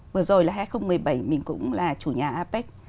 vừa rồi là hai nghìn một mươi bảy mình cũng là chủ nhà apec